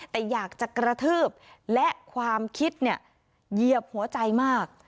แต่อยากจะกระทืบและความคิดเนี่ยเหยียบหัวใจมาก